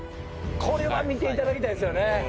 これは見ていただきたいですよね